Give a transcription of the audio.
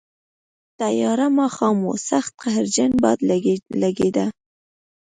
تیاره ماښام و، سخت قهرجن باد لګېده.